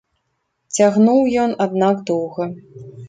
Цягнуў ён, аднак, доўга.